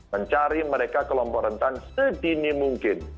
mencari mereka kelompok rentan sedini mungkin